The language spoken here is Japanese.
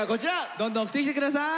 どんどん送ってきてください。